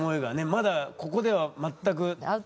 まだここでは全く。